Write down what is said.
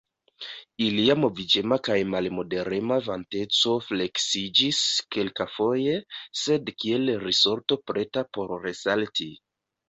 Ilia moviĝema kaj malmoderema vanteco fleksiĝis kelkafoje, sed kiel risorto preta por resalti.